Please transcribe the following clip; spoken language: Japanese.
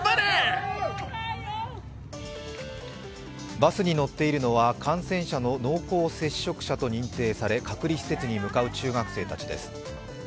バスに乗っているのは感染者の濃厚接触者と認定され隔離施設に向かう中学生たちです。